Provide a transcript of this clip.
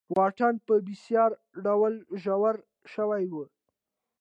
واټن په بېساري ډول ژور شوی و.